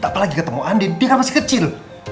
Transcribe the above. apalagi ketemu andin dia masih kecil